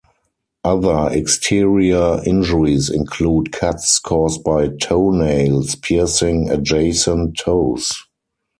Other exterior injuries include cuts caused by toenails piercing adjacent toes.